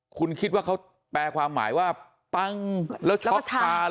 คุณคิดว่าเขาแปลความหมายว่าปังแล้วช็อกทาน